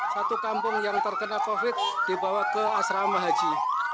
satu kampung yang terkena covid dibawa ke asrama haji